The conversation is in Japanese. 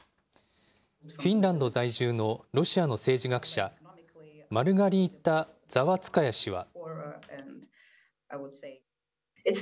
フィンランド在住のロシアの政治学者、マルガリータ・ザワツカヤ氏は。